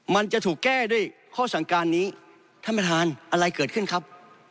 มันจะถูกแก้ด้วยข้อสั่งการนี้ท่านประธานอะไรเกิดขึ้นครับ